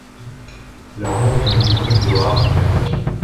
Leur nom vient du groupe de rap du même nom.